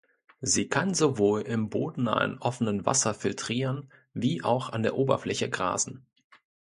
Sie kann sowohl im bodennahen offenen Wasser filtrieren wie auch an der Oberfläche grasen.